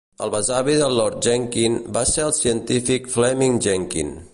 El besavi de Lord Jenkin va ser el científic Fleeming Jenkin.